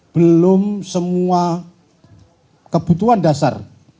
belum semua kebutuhan dasar